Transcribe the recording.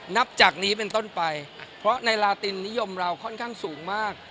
นับจากนี้เป็นต้นไปเพราะในลาตินนิยมเราค่อนข้างสูงมาก